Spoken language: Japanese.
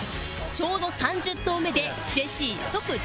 ちょうど３０投目でジェシー即帰宅